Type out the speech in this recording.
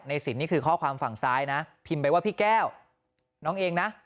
สินนี่คือข้อความฝั่งซ้ายนะพิมพ์ไปว่าพี่แก้วน้องเองนะ